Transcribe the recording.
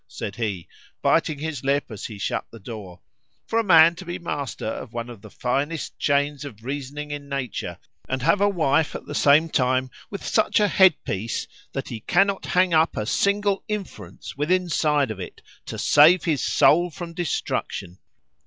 said he, biting his lip as he shut the door,——for a man to be master of one of the finest chains of reasoning in nature,——and have a wife at the same time with such a head piece, that he cannot hang up a single inference within side of it, to save his soul from destruction.